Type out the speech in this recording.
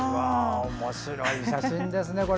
おもしろい写真ですね。